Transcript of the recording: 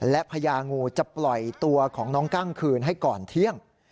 และพญางูจะปล่อยตัวของน้องกั้งคืนให้ก่อนเที่ยง